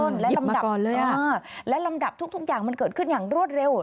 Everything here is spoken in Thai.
ยิบมาก่อนเลยอ่ะอ่าและลำดับทุกอย่างมันเกิดขึ้นอย่างรวดเร็ว